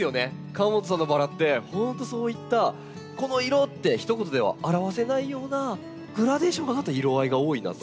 河本さんのバラって本当そういったこの色って一言では表せないようなグラデーションが入った色合いが多いなと。